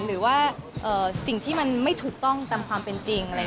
หรือว่าสิ่งที่มันไม่ถูกต้องตามความเป็นจริง